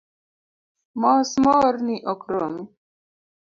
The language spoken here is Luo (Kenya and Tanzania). Mos moorni ok romi